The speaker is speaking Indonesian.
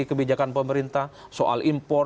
kebijakan pemerintah soal impor